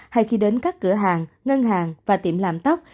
hay khi đến các cửa hàng ngân hàng và tiệm làm tóc